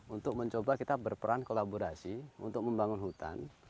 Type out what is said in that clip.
untuk mencoba kita berperan kolaborasi untuk membangun hutan